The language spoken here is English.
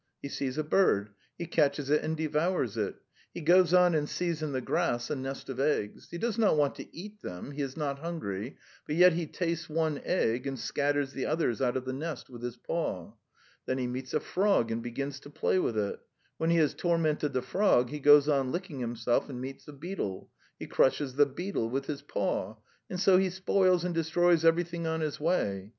He sees a bird; he catches it and devours it. He goes on and sees in the grass a nest of eggs; he does not want to eat them he is not hungry, but yet he tastes one egg and scatters the others out of the nest with his paw. Then he meets a frog and begins to play with it; when he has tormented the frog he goes on licking himself and meets a beetle; he crushes the beetle with his paw ... and so he spoils and destroys everything on his way.